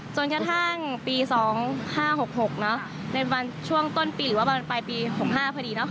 จนกระทั่งปี๒๕๖๖ในวันช่วงต้นปีหรือว่าปลายปี๖๕พอดี